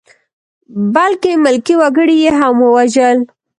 بلکې ملکي وګړي یې هم ووژل.